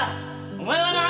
お前はな！